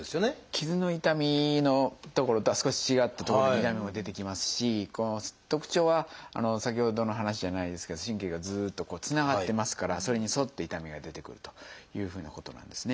傷の痛みの所とは少し違った所に痛みも出てきますしこの特徴は先ほどの話じゃないですけど神経がずっとつながってますからそれに沿って痛みが出てくるというふうなことなんですね。